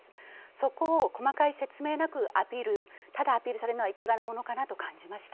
そこを細かい説明なく、ただアピールされるのはいかがなものかなと感じました。